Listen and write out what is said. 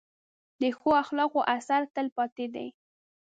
د ښو اخلاقو اثر تل پاتې دی.